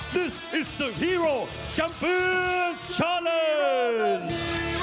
นี่คือฮีโร่ชัมเปียสชัลเลนส์